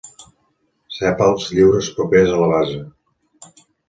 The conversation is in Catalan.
Sèpals lliures propers a la base.